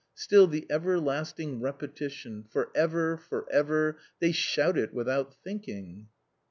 Still the everlasting repetition — For ever, for ever! — they shout it without thinking."